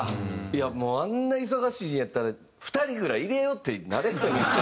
いやもうあんな忙しいんやったら２人ぐらい入れようってなれへんのかなって。